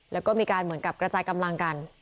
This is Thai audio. แล้วก็มีการเหมือนกับกระจายกำลังกัน